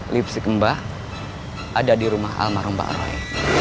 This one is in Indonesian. lipstick mbak ada di rumah alma romba arroy